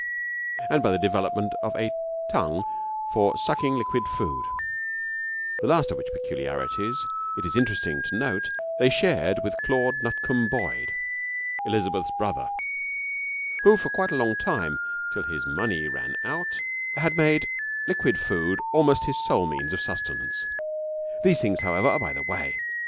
and by the development of a "tongue" for sucking liquid food,' the last of which peculiarities, it is interesting to note, they shared with Claude Nutcombe Boyd, Elizabeth's brother, who for quite a long time till his money ran out had made liquid food almost his sole means of sustenance. These things, however, are by the way.